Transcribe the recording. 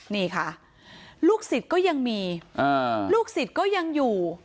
นี่ค่ะลูกศิษย์ก็ยังมีลูกศิษย์ก็ยังอยู่